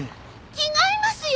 違いますよ。